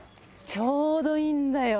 ちょうどいいんだよ